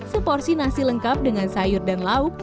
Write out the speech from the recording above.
seporsi nasi lengkap dengan sayur dan lauk